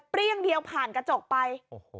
เรียกเดียวผ่านกระจกไป